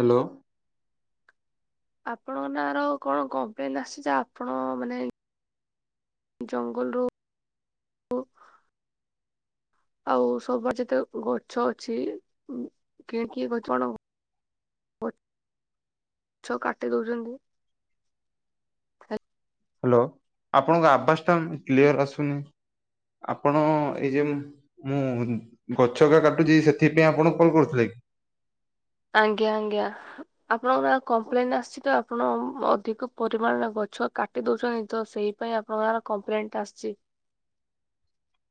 Hello. ଆପଣଙ୍କ ନାଁ ର କଣ କମ୍ପ୍ଲେନ୍ ଆସିଛି, ଆପଣ ମାନେ ଏଇ ଜଙ୍ଗଲରୁ ଆଉ ସବା ଯେତେ ଗଛ ଅଛି ଉଁ, କି କିଏ ଗଛ କଣ ହବ? ଗ ଛ କାଟି ଦଉଚନ୍ତି। ହ୍ୟାଲୋ, ଆପଣଙ୍କ ଆବାସ ଟା ମୁଁ କ୍ଲିୟର୍ ଆସୁନି, ଆପଣ ଏଇ ଯେଉଁ ମୁଁ ଗଛକା କାଟୁଚି ସେଥିପାଇଁ ଆପଣଙ୍କୁ କଲ୍ କରଥିଲେ କି? ଆଜ୍ଞା, ଆଜ୍ଞା। ଆପଣଙ୍କ ନାଁ କମ୍ପ୍ଲେନ୍ ଆସିଛି ତ, ଆପଣ ଅଧିକ ପରିମାଣରେ ଗଛ କା ଟି ଦଉଛନ୍ତି ତ ସେଇ ପାଇଁ ଆପଣଙ୍କ ନାଁର କମ୍ପ୍ଲେନ୍ ଟା ଆସିଚି।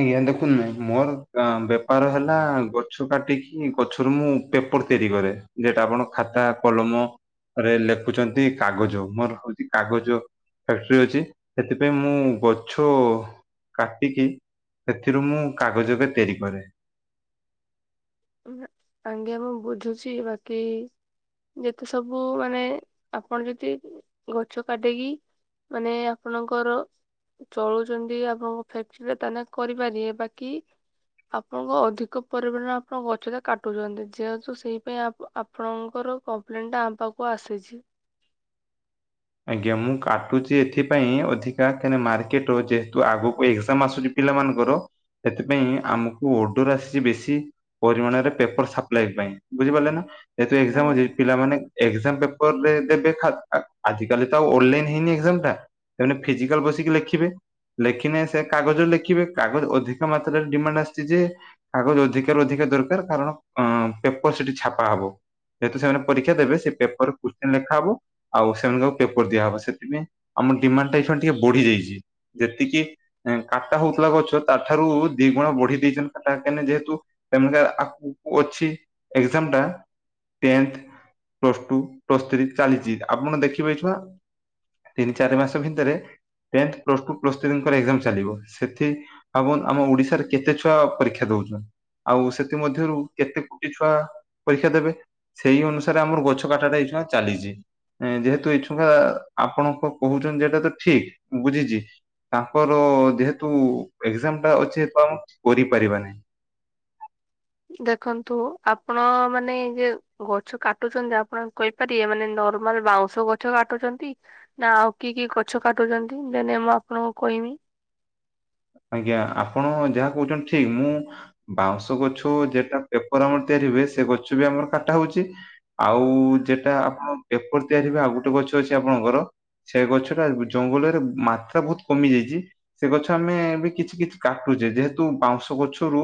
ଆଜ୍ଞା ଦେଖୁନ ନାଇଁ ମୋର ଆ, ବେପାର ହେଲା ଗଛ କାଟିକି ଗଛରୁ ମୁଁ ପେପର୍ ତିଆରି କରେ, ଯେଟା ଆପଣ ଖାତା, କଲମ ରେ ଲେଖୁଛନ୍ତି କାଗଜ, ମୋର ହଉଚି କାଗଜ ଫ୍ୟାକ୍ଟ୍ରି ଅଛି ସେଥିପାଇଁ ମୁଁ ଗଛ କାଟିକି ସେଥିରୁ ମୁଁ କାଗଜ ଏକା ତିଆରି କରେ। ଇଁହା, ଆଜ୍ଞା ମୁଁ ବୁଝୁଛି ବାକି ଯେତେ ସବୁ ମାନେ ଆପଣ ଯଦି ଗଛ କାଟିକି ମାନେ ଆପଣଙ୍କର ଚଳୁଛନ୍ତି ଆପଣଙ୍କ ଫ୍ୟାକ୍ଟ୍ରି ରେ ତାନେ କରିପାରିବେ, ବାକି ଆପଣଙ୍କ ଅଧିକ ପରିମାଣ ଆପଣ ଗଛଟା କାଟୁଚନ୍ତି ଯେହେତୁ ସେଇପାଇଁ ଆପ ଆପଣଙ୍କର କମ୍ପ୍ଲେନ୍ ଟା ଆମ ପାଖକୁ ଆସିଛି। ଆଜ୍ଞା ମୁଁ କାଟୁଚି ଏଥିପାଇଁ ଅଧିକା କାହିଁ ନା ମାର୍କେଟ୍ ର ଯେହେତୁ ଆଗକୁ ଏକ୍ଜାମ୍ ଆସୁନି ପିଲାମାନଙ୍କର ସେଥିପାଇଁ ଆମକୁ ଓଡର୍ ଆସିଛି ବେଶୀ। ପରିମାଣରେ ପେପର୍ ସାପ୍ଲାଇ ପାଇଁ, ବୁଝିପାରିଲେ ନା? ଯେହେତୁ ଏକ୍ଜାମ୍ ନାଇଁ ଅଛି, ପିଲାମାନେ ଏକ୍ଜାମ୍ ପେପର୍ ରେ ଦେବେ ଖା ଆ ଆଜିକାଲି ତ ଆଉ ଅଲଲାଇନ୍ ହେଇନି ଏକ୍ଜାମ୍ ଟା ସେମାନେ ଫିଜିକାଲ୍ ବସିକି ଲେଖିବେ। ଲେଖିନେ ସେ କାଗଜ ଲେଖିବେ କାଗଜ ଅଧିକ ମାତ୍ରାରେ ଡିମାଣ୍ଡ ଆସିଛି ଯେ କାଗଜ ଅଧିକା ରୁ ଅଧିକା ଦରକାର କାରଣ ଅଁ, ପେପର୍ ସେଠି ଛାପା ହବ। ଯେହେତୁ ସେମାନେ ପରୀକ୍ଷା ଦେବେ ସେ ପେପର୍ କୁଶ୍ଚେନ୍ ନେଖାହବ। ଆଉ ସେ ତେଣୁ ତାକୁ ପେପର୍ ଦିଆହବ, ସେଥିପାଇଁ ଆମ ଡିମାଣ୍ଡ ଏଇକ୍ଷଣ ଟିକେ ବଢିଯାଇଚି। ଯେତିକି ଏଁ, କାଟା ହଉଥିଲା ଗଛ ତାଠାରୁ ଦି ଗୁଣ ବଢେଇ ଦେଇଚନ୍ତି, କାଟା କାହିଁକିନା ଯେହେତୁ ଟେନକା ଆଗକୁ ଅଛି ଏକ୍ଜାମ୍ ଟା tenth plus two, plus three ଚାଲିଚି, ଆପଣ ଦେଖିବେ ଛୁଆ ତିନି ଚାରି ମାସ ଭିତରେ tenth, plus two plus three ଙ୍କର ଏକ୍ଜାମ୍ ଚାଲିବ। ସେଥି ଆପନ୍ ଆମ ଓଡିଶାରେ କେତେ ଛୁଆ ପରୀକ୍ଷା ଦଉଚନ୍। ଆଉ ସେଥି ମଧ୍ୟରୁ କେତେ କୁଟି ଛୁଆ ପରୀକ୍ଷା ଦେବେ। ସେଇ ଅନୁସାରେ ଆମର ଗଛ କାଟା ଟା ଏଇକ୍ଷିଣା ଚାଲିଚି। ଏଁ, ଯେହେ ତ ଏଇ ଛୁହା ଆପଣଙ୍କ କହୁଚନ୍ତି ଯେଟା ତ ଠିକ ବୁଝିଚି। ତାଙ୍କର ଯେହେତୁ ଏକ୍ଜାମ୍ ଟା ଅଛି [unintelligible] କରିପାରିବା ନାହିଁ। ଦେଖନ୍ତୁ ଆପଣ ମାନେ ଯେ ଗଛ କାଟୁଚନ୍ତି ଯେ ଆପଣ କଇ ପାରି ଏ ମାନେ ନର୍ମାଲ୍ ବାଉଁଶ ଗଛ କାଟୁଛନ୍ତି ନା ଆଉ କି କି ଗଛ କାଟୁଚନ୍ତି? ଦେନେ ମୁଁ ଆପଣଙ୍କୁ କହିମି। ଆଜ୍ଞା। ଆପଣ ଯାହା କହୁଛନ୍ତି ଠିକ୍, ମୁଁ ବାଉଁଶ ଗଛ ଯେଟା ପେପର୍ ଆମର ତିଆରି ହୁଏ, ସେ ଗଛ ବି ଆମର କାଟା ହଉଛି ଆଉ ଯେଟା ଆପଣ ପେପର୍ ତିଆରିି ହୁଏ ଆଉ ଗୋଟେ ଗଛ ଅଛି ଆପଣଙ୍କର ସେ ଗଛଟା ଜଙ୍ଗଲରେ ମାତ୍ରା ବହୁତ କମି ଯାଇଛି, ସେ ଗଛ ଆମେ ବି କିଛ କିଛ କାଟୁଛେ। ଯେହେତୁ ବାଉଁଶ ଗଛରୁ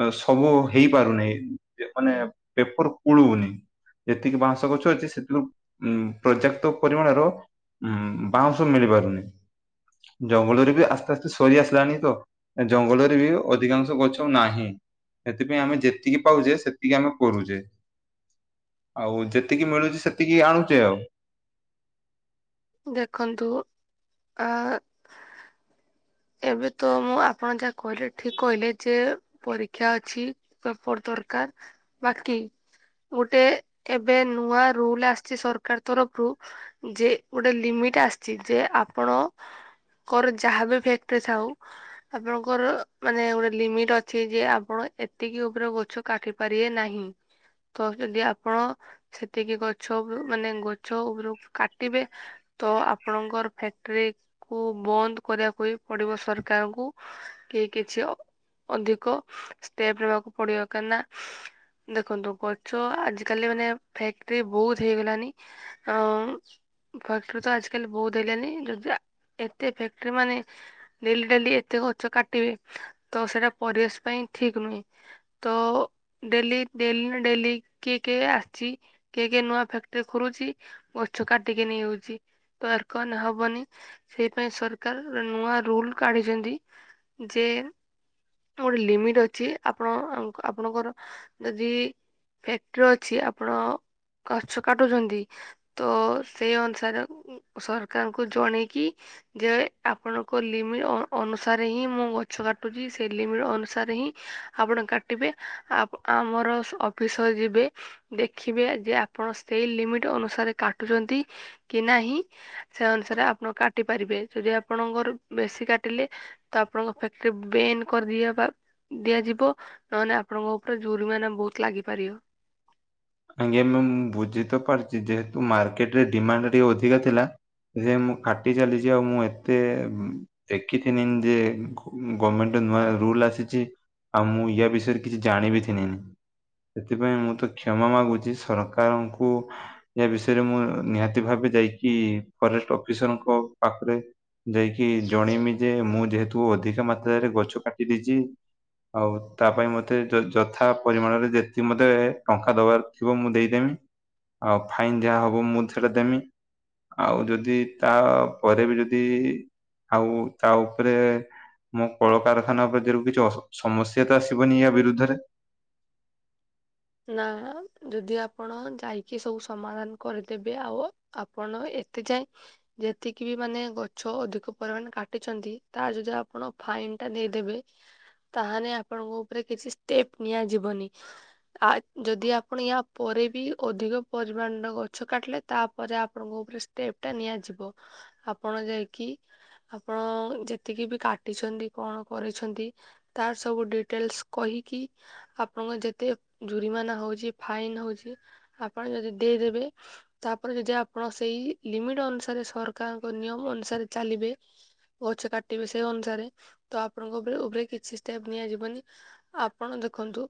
ଆ ସବୁ ହେଇପାରୁନାହିଁ। ଯେ ମାନେ ପେପର କୁଳୁନି ଯେତିକି ବାଉଁସ ଗଛ ଅଛି, ସେଥିରୁ ଉମ୍ ପର୍ଯ୍ୟାପ୍ତ ପରିମାଣର ଉମ୍ ବାଉଁଶ ମିଳି ପାରୁନି। ଜଙ୍ଗଲରେ ବି ଆସ୍ତେ ଆସ୍ତେ ସରି ଆସିଲାଣି ବୁଝୁଚ? ଜଙ୍ଗଲରେ ବି ଅଧିକାଂଶ ଗଛ ଆଉ ନାହିଁ। ସେଥିପାଇଁ ଆମେ ଯେତିକି ପାଉଛେ, ସେତିକି ଆମେ କରୁଛେ। ଆଉ ଯେତିକି ମିଳୁଛି, ସେତିକି ଆଣୁଛେ ଆଉ। ଦେଖନ୍ତୁ, ଆ [unintelligible] ଏବେ ତ, ମୁଁ ଆପଣ ଯାହା କହିଲେ ଠିକ କହିଲେ, ଯେ ପରୀକ୍ଷା ଅଛି ପେପର୍ ଦରକାର, ବାକି ଗୋଟେ ଏବେ ନୂଆ ରୁଲ୍ ଆସିଛି, ସରକାର ତରଫରୁ ଯେ ଗୋଟେ ଲିମିଟ୍ ଆସିଛି, ଯେ ଆପଣଙ୍କର ଯାହା ବି ଫ୍ୟାକ୍ଟ ଥାଉ ଆପଣଙ୍କର ମାନେ ଗୋଟେ ଲିମିଟ୍ ଅଛି ଯେ ଆପଣ ଏତିକି ଉପରେ ଗଛ କାଟି ପାରିବେ ନାହିଁ। ତ ଯଦି ଆପଣ, ସେତିକି ଗଛ ମାନେ ଗଛ ଉପରକୁ କାଟିବେ ତ ଆପଣଙ୍କର ଫ୍ୟାକ୍ଟ୍ରି କୁ ବନ୍ଦ କରିବାକୁ ହି ପଡିବ ସରକାରଙ୍କୁ, କି କିଛି ଅ ଅଧିକ ଷ୍ଟେପ୍ ନେବାକୁ ପଡିବ, କାହିଁନା ଦେଖନ୍ତୁ, ଗଛ ଆଜିକାଲି ମାନେ ଫ୍ୟାକ୍ଟ୍ରି ବହୁତ ହେଇଗଲାନି ଆ ଫ୍ୟାକ୍ଟ୍ରି ତ ଆଜିକାଲି ବହୁତ ହେଲାନି, ଯଦି ଅ ଏତେ ଫ୍ୟାକ୍ଟ୍ରି ମାନେ ଡେଲି ଡେଲି ଏତେ ଗଛ କାଟିବେ, ତ ସେଇଟା ପରିବେଶ ପାଇଁ ଠିକ ନୁହେଁ। ତ ଡେଲି ଡେଲି ନା, ଡେଲି କିଏ କିଏ ଆସିଛି କିଏ କିଏ ନୂଆ ଫ୍ୟାକ୍ଟ୍ରି ଖୋଲୁଛି, ଗଛ କାଟିକି ନେଇଯାଉଛି। ତ ଏର କନ ହବନି ସେଇଥିପାଇଁ ସରକାରର ନୂଆ ରୁଲ୍ କାଢିଛନ୍ତି। ଯେ ଗୋଟେ ଲିମିଟ୍ ଅଛି, ଆପଣ ଆପଣଙ୍କର ଯଦି ଫ୍ୟାକ୍ଟ୍ରି ଅଛି, ଆପଣ ଗଛ କାଟୁଛନ୍ତି, ତ ସେଇଅନୁସାର ସରକାରଙ୍କୁ ଜଣେଇକି ଯେ ଆପଣଙ୍କ ଲିମି ଅ-ଅନୁସାରେ ହିଁ ମୁଁ ଗଛ କାଟୁଛି, ସେ ଲିମିଟ୍ ଅନୁସାରେ ହିଁ ଆପଣ କାଟିବେ, ଆପ-ଆମର ଅଫିସର ଯିବେ ଦେଖିବେ, ଯେ ଆପଣ ସେଇ ଲିମିଟ୍ ଅନୁସାରେ କାଟୁଛନ୍ତି କି ନାହିଁ? ସେ ଅନୁସାରେ ଆପଣ କାଟି ପାରିବେ। ଯଦି ଆପଣଙ୍କର ବେଶୀ କାଟିଲେ ତ ଆପଣଙ୍କ ଫ୍ୟାକ୍ଟ୍ରି ବେନ୍ କରିଦିଅବା ଦିଆଯିବ, ନହେନେ ଆପଣଙ୍କ ଉପରେ ଜୁରୁମାନା ବହୁତ ଲାଗିପାରିବ। ଆଜ୍ଞା ମ୍ୟାମ୍, ମୁଁ ବୁଝି ତ ପାରୁଛି, ଯେହେତୁ ମାର୍କେଟରେ ଡିମାଣ୍ଡଟା ଟିକେ ଅଧିକା ଥିଲା ଯେ ମୁଁ କାଟି ଚାଲିଛି ଆଉ ମୁଁ ଏତେ ଦେଖିଥିନିଙ୍ଗ ଯେ ଗ-ଗମେଣ୍ଟର ନୂଆ ରୁଲ୍ ଆସିଛି ଆଉ ମୁଁ ୟା ବିଷୟରେ କିଛି ଜାଣିବି ଥିନିନି। ସେଥିପାଇଁ ମୁଁ ତ କ୍ଷମା ମାଗୁଛି, ସରକାରଙ୍କୁ ଏ ବିଷୟରେ ମୁଁ ନିହାତି ଭାବେ ଯାଇକି ଫରେଷ୍ଟ ଅଫିସରଙ୍କ ପାଖରେ ଯାଇକି ଜଣେଇମି ଯେ, ମୁଁ ଯେହେତୁ ଅଧିକା ମାତ୍ରାରେ ଗଛ କାଟିଦେଇଛି ଆଉ ତା ପାଇଁ ମୋତେ ଯ-ଯଥା ପରିମାଣରେ ଯେତିକି ମୋତେ ଟଙ୍କା ଦବାର ଥିବ ମୁଁ ଦେଇଦେମି ଆଉ ଫାଇନ୍ ଯାହା ହବ ମୁଁ ସେଟା ଦେମି ଆଉ ଯଦି ତା ପରେ ବି ଯଦି ଆଉ ତା ଉପରେ ମୋ କଳକାରଖାନା ପ୍ରତିରୁ କିଛି ଅସ-ସମସ୍ୟା ତ ଆସିବନି ୟା ବିରୁଦ୍ଧରେ? ନା, ଯଦି ଆପଣ ଯାଇକି ସବୁ ସମାଧାନ କରିଦେବେ ଆଉ ଆପଣ ଏତେ ଯାଏ ଯେତିକି ବି ମାନେ ଗଛ ଅଧିକ ପରିମାଣ କାଟିଛନ୍ତି ତାର ଯଦି ଆପଣ ଫାଇନଟା ଦେଇଦେବେ। ତାହାନେ ଆପଣଙ୍କ ଉପରେ କିଛି ଷ୍ଟେପ ନିଆଯିବନି। ଆ ଯଦି ଆପଣ ୟା ପରେ ବି ଅଧିକ ପରିମାଣର ଗଛ କାଟିଲେ ତାପରେ ଆପଣଙ୍କ ଉପରେ ଷ୍ଟେପ୍ ଟା ନିଆଯିବ ଆପଣ ଯାଇକି ଆପଣ ଯେତିକି ବି କାଟିଛନ୍ତି କଣ କରିଛନ୍ତି? ତାର ସବୁ ଡିଟେଲସ କହିକି ଆପଣଙ୍କ ଯେତେ ଜୁରିମାନା ହଉଛି ଫାଇନ୍ ହଉଛି ଆପଣ ଯଦି ଦେଇଦେବେ ତାପରେ ଯଦି ଆପଣ ସେଇ ଲିମିଟ ଅନୁସାରେ ସରକାରଙ୍କ ନିୟମ ଅନୁସାରେ ଚାଲିବେ ଗଛ କାଟିବି ସେଇ ଅନୁସାରେ ତ ଆପଣଙ୍କ ଉପରେ ଉପରେ କିଛି ଷ୍ଟେପ ନିଆଯିବନି। ଆପଣ ଦେଖନ୍ତୁ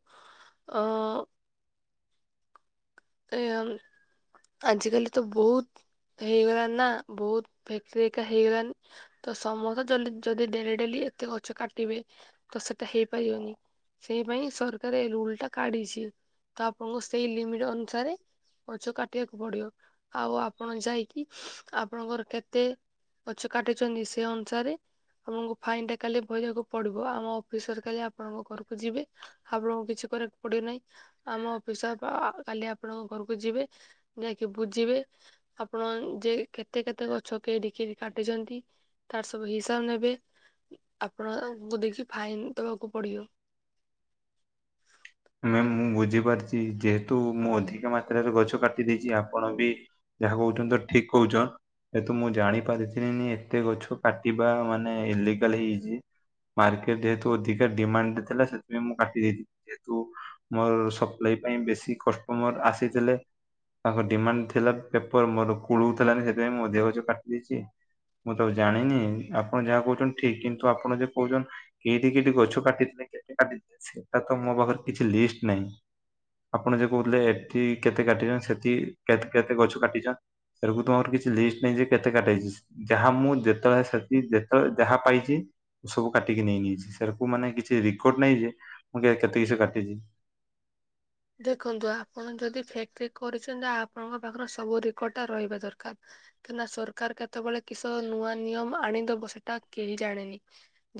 ଅ ଏ ଆଜିକାଲି ତ ବହୁତ ହେଇଗଲାଣି ନା ବହୁତ ଫେକ୍ଟ୍ରୀ ଏକା ହେଇଗଲାଣି। ତ ସମସ୍ତେ ଯ ଯଦି ଡେଲି ଡେଲି ଏତେ ଗଛ କାଟିବେ ତ ସେଟା ହେଇପାରିବନି। ସେଇ ପାଇଁ ସରକାର ଏଇ ରୁଲଟା କାଢ଼ିଛି ତ ଆପଣଙ୍କୁ ସେଇ ଲିମିଟ ଅନୁସାରେ ଗଛ କାଟିବାକୁ ପଡିବ। ଆଉ ଆପଣ ଯାଇକି ଆପଣଙ୍କର କେତେ ଗଛ କାଟିଛନ୍ତି ସେ ଅନୁସାରେ ଆପଣଙ୍କୁ ଫାଇନଟା କାଲି ଭରିବାକୁ ପଡିବ ଆମ ଅଫିସର କାଲି ଆପଣଙ୍କ ଘରକୁ ଯିବେ ଆପଣଙ୍କୁ କିଛି କରିବାକୁ ପଡିବନାହିଁ ଆମ ଅଫିସ କାଲି ଆ ଆପଣଙ୍କ ଘରକୁ ଯିବେ ଯାଇକି ବୁଝିବେ? ଆପଣ ଯେ କେତେ କେତେ ଗଛ କେଠି କେଠି କାଟିଛନ୍ତି? ତାର ସବୁ ହିସାବ ନେବେ ଆପଣଙ୍କୁ ଦେଖି ଫାଇନ ଦବାକୁ ପଡିବ। ମୁଁ ବୁଝିପାରିଛି ଯେହେତୁ ମୁଁ ଅଧିକ ମାତ୍ରାରେ ଗଛ କାଟି ଦେଇଛି ଆପଣ ବି ଯାହା କହୁଛନ୍ତି ତ ଠିକ କହୁଛ। ଯେହେତୁ ମୁଁ ଜାଣି ପାରିଥିଲିିନି ଏତେ ଗଛ କାଟିବା ମାନେ ଇଲିଗାଲ ହେଇଛି। ମାର୍କେଟ ଯେହେତୁ ଅଧିକା ଡିମାଣ୍ଡ ଥିଲା ସେଥିପାଇଁ ମୁଁ କାଟିଦେଇ [inaudible] ମୋର ସପ୍ଲାଇ ପାଇଁ ବେଶୀ କଷ୍ଟମର ଆସିଥିଲେ। ତାଙ୍କ ଡିମାଣ୍ଡ ଥିଲା ପେପର ମୋର କୁଳଉ ଥିଲାନି ସେଥିପାଇଁ ମୁଁ ଅଧିକ ଗଛ କାଟି ଦେଇଛି। ମୁଁ ତ ଆଉ ଜାଣିନି ଆପଣ ଯାହା କହୁଛନ୍ତି ଠିକ କିନ୍ତୁ ଆପଣ ଯେ କହୁଛ କେଠି କେଠି ଗଛ କାଟିଥିଲେ କେତେ କାଟିଥିଲେ ସେଟା ତ ମୋ ପାଖରେ କିଛି ଲିଷ୍ଟ ନାହିଁ। ଆପଣ ଯେ କହୁଥିଲେ ଏଠି କେତେ କାଟିଚ ସେଠି କେତେ ଗଛ କାଟିଛ? ସେରକୁ ମୋରତ କିଛି ଲିଷ୍ଟ ନାଁଇ ଯେ କେତେ କାଟା ହେଇଛି? ଯାହା ମୁଁ ଯେତେବେଳେ ସେଠି ଯେତେବେଳେ ଯାହା ପାଇଛି ସବୁ କାଟିକି ନେଇଜାଇଛି ସେରାକୁ ମାନେ କିଛି ରେକର୍ଡ ନାହିଁ ଯେ ମୁଁ କେତେ କିସ କାଟିଛି? ଦେଖନ୍ତୁ ଆପଣ ଯଦି ଫ୍ୟାକ୍ଟ୍ରି କରିଛନ୍ତି ଆପଣଙ୍କ ପାଖରେ ସବୁ ରେକର୍ଡଟା ରହିବା ଦରକାର। କାହିଁକିନା ସରକାର କେତେବେଳେ କିସ ନୂଆ ନିୟମ ଆଣିଦବ ସେଟା କେହି ଜାଣେନି?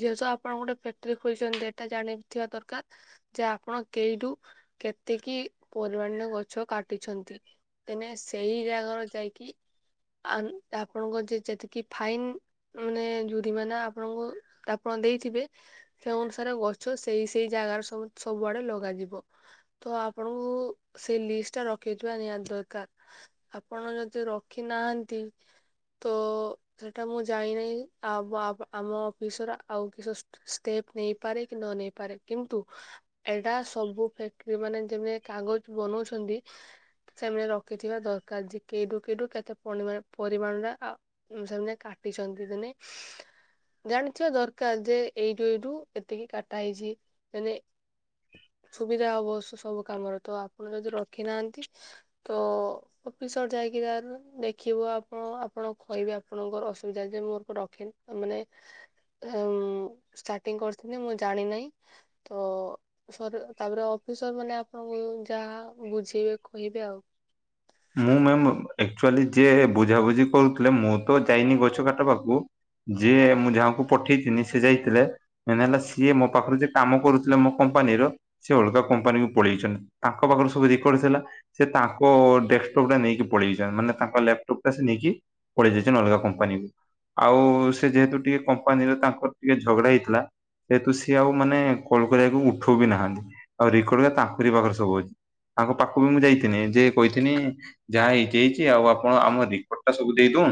ଯେହେତୁ ଆପଣ ଗୋଟେ ଫ୍ୟାକ୍ଟ୍ରି ଖୋଲିଛନ୍ତି ଏଇଟା ଜାଣିଥିବା ଦରକାର ଯେ ଆପଣ କେଇଠୁ କେତିକି ପରିମାଣରେ ଗଛ କାଟିଛନ୍ତି। ଏନେଇ ସେଇ ଜାଗାର ଯାଇକି ଆନ୍ ଆପଣଙ୍କ ଯେ ଯେତିକି ଫାଇନ୍ ମାନେ ଯୁରିମାନା ଆପଣଙ୍କୁ ଆପଣ ଦେଇଥିବେ। ସେ ଅନୁସାରେ ଗଛ ସେଇ ସେଇ ଜାଗାରେ ସବୁଆଡେ ଲଗାଯିବ। ତ ଆପଣଙ୍କୁ ସେ ଲିଷ୍ଟଟା ରଖେଇଥିବା ନିହାତି ଦରକାର। ଆପଣ ଯଦି ରଖି ନାହାନ୍ତି ତ ସେଇଟା ମୁଁ ଜାଇନାହିଁ ଆ ଆମ ଅଫିସର ଆଉ କି ସ ଷ୍ଟେପ ନେଇପାରେ କି ନ ନେଇପାରେ କିନ୍ତୁ ଏଟା ସବୁ ଫ ମାନେ ଯେମେ କାଗଜ ବନଉଛନ୍ତି ସେମାନେ ରଖିଥିବା ଦରକାର ଯେ କେଇଡୁ କେଇଡୁ କେତେ ପ ପରିମାଣରେ ସେମାନେ କାଟିଛନ୍ତି ଦିନେ। ଜାଣିଥିବା ଦରକାର ଯେ ଏଇଠୁ ଏଇଠୁ ଏତିକି କାଟା ହେଇଛି ମାନେ ଯାହା ଅବଶ୍ୟ ସବୁ କାମରେ ତ ଆପଣ ଯଦି ରଖିନାହାନ୍ତି ତ ଅଫିସର ଯାଇକି ତାର ଦେଖିବ। ଆପଣ ଆପଣ କହିବେ ଆପଣଙ୍କର ଅସୁବିଧା ଯେ ମୁଁ ଆକୁ ରଖେନି ମାନେ ଅମ ଷ୍ଟାର୍ଟିଂ କରିଥିଲି ମୁଁ ଜାଣିିନାହିଁ ତ ସର୍ ତାପରେ ଅଫିସର ମାନେ ଆପଣଙ୍କୁ ଯାହା ବୁଝେଇବେ କହିବେ ଆଉ। ମୁଁ ମ୍ୟମ ଆଚୁଆଲି ଯିଏ ବୁଝାବୁଝି କରୁଥିଲେ ମୁଁ ତ ଯାଇନି ଗଛ କାଟ ପାଖକୁ ଯିଏ ମୁଁ ଯାହାକୁ ପଠେଇଥିନି ସେ ଯାଇଥିଲେ। ମେନ୍ ହେଲା ସିଏ ମୋ ପାଖରେ ଯିଏ କାମ କରୁଥିଲେ ମୋ କମ୍ପାନୀର ସିଏ ଅଲଗା କମ୍ପାନୀକୁ ପଳେଇଛନ୍ତି। ତାଙ୍କ ପାଖରେ ସବୁ ରେକର୍ଡ ଥିଲା। ସେ ତାଙ୍କ ଡେସ୍କଟପ୍ ଟା ନେଇକି ପଳେଇଯାଇଛନ୍ ମାନ ତାଙ୍କର ଲାପଟପ ଟା ସେ ନେଇକି ପଳେଇ ଯାଇଛନ୍ ଅଲଗା କମ୍ପାନୀକୁ। ଆଉ ସେ ଯେହେତୁ ଟିକେ କମ୍ପାନୀର ତାଙ୍କର ଟିକେ ଝଗଡା ହେଇଥିଲା। ଯେହେତୁ ସିଏ ଆଉ ମାନେ କଲ କରିବାକୁ ଉଠଉ ବି ନାହାନ୍ତି ଆଉ ରେକର୍ଡରା ତାଙ୍କରି ପାଖରେ ସବୁ ଅଛି। ତାଙ୍କ ପାଖକୁ ବି ମୁଁ ଯାଇଥିନି ଯେ କହିଥିଲି ହିନି ଯାହା ହେଇଛି ହେଇଚି ଆଉ ଆପଣ ଆମ ରିପୋର୍ଟ ଟା ସବୁ ଦେଇଦଉ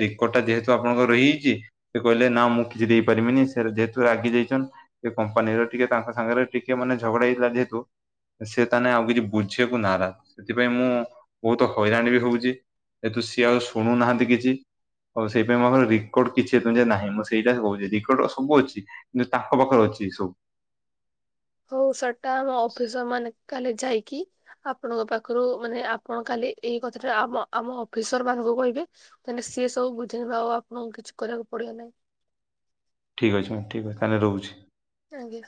ରେକର୍ଡଟା ଯେହେତୁ ଆପଣଙ୍କର ରହିଯାଇଛି ସେ କହିଲେ ନା ମୁଁ କିଛି ଦେଇପାରିବିନି ସେର ଯେହେତୁ ରାଗି ଯାଇଛନ୍ ଏ କମ୍ପାନୀର ଟିକେ ତାଙ୍କ ସାଙ୍ଗରେ ଟିକେ ମାନେ ଝଗଡା ହେଇଥିଲା ଯେହେତୁ ସେ ତାହେଲେ ଆଉ କିଛି ବୁଝିବାକୁ ନାରାଜ। ସେଥିପାଇଁ ମୁଁ ବହୁତ ହଇରାଣ ବି ହେଉଛି ହେତୁ ସିଏ ଆଉ ଶୁଣୁନାହାନ୍ତି କିଛି। ଆଉ ସେଇପାଇଁ ମୋର ରିକର୍ଡ କିଛି ନାହିଁ ମୁଁ ସେଇଟା କହୁଛି। ରିକର୍ଡ୍ ସବୁ ଅଛି କିନ୍ତୁ ତାଙ୍କ ପାଖରେ ଅଛି ସବୁ। ହୋଉ ସେଟା ଆମ ଅଫିସର ମାନେ କାଲି ଯାଇକି ଆପଣଙ୍କ ପାଖରୁ ମାନେ ଆପଣ କାଲି ଏଇ କଥାଟା ଆମ ଆମ ଅଫିସର ମାନଙ୍କୁ କହିକି ମାନେ ସିଏ ସବୁ ବୁଝେଇବେ। ଆଉ ଆପଣଙ୍କୁ କିଛି କରିବାକୁ ପଡିବ ନାହିଁ। ଠିକ୍ ଅଛି ମ୍ୟମ୍ ଠିକ ଅଛି ତାହେଲେ ରହୁଛି। ଆଜ୍ଞା।